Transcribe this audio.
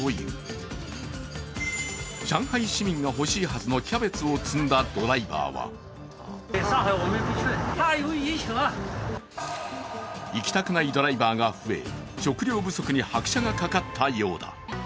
市民が欲しいはずのキャベツを積んだドイラバーは行きたくないドライバーが増え食料不足に拍車がかかったようだ。